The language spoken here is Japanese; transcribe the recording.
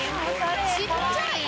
ちっちゃい！